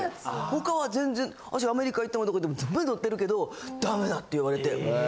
他は全然私アメリカ行ってもどこ行っても乗ってるけどダメだって言われて。